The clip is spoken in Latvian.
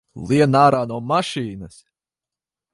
Lien ārā no mašīnas!